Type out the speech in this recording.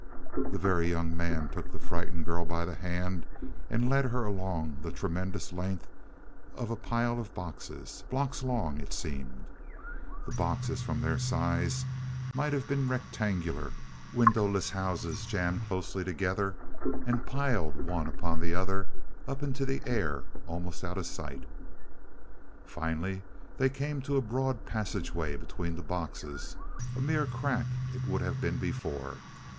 The Very Young Man took the frightened girl by the hand and led her along the tremendous length of a pile of boxes, blocks long it seemed. These boxes, from their size, might have been rectangular, windowless houses, jammed closely together, and piled one upon the other up into the air almost out of sight. Finally they came to a broad passageway between the boxes a mere crack it would have been before.